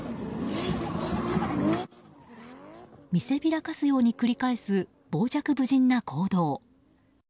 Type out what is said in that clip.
見せびらかすように繰り返す傍若無人な行動。